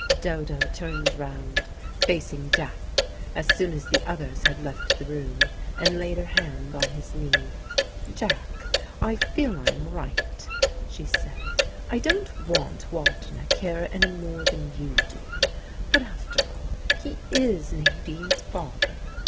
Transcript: Dodo turned round, facing Jack, as soon as the others had left the room, and laid her hand on his knee. "Jack, I feel sure I am right," she said. "I don't want Waldenech here any more than you do. But after all, he is Nadine's father.